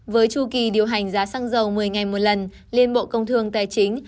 với chu kỳ điều hành giá xăng dầu một mươi ngày một lần liên bộ công thương tài chính